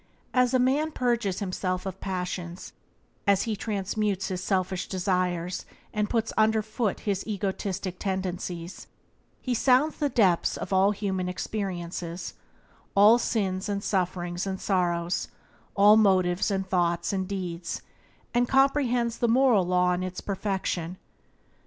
As a man purges himself of passions, as he transmutes his selfish desires and puts under foot his egotistic tendencies, he sounds the depths of all human experiences — all sins and sufferings and sorrows, all motives and thoughts and deeds — and comprehends the moral law in its perfection.